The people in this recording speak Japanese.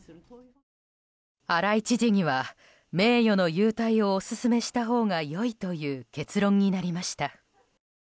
新井知事には名誉の勇退をオススメしたほうが良いという結論になりました。